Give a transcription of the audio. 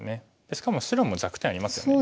しかも白も弱点ありますよね。